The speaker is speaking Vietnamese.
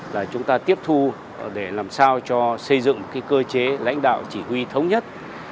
là tiếp thu để làm sao cho xây dựng cơ chế lãnh đạo chỉ huy thống nhất